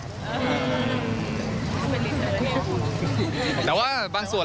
มันเป็นลิสเตอร์แล้วเนี่ย